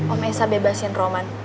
om esa bebasin roman